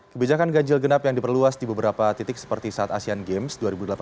kebijakan ganjil genap yang diperluas di beberapa titik seperti saat asean games dua ribu delapan belas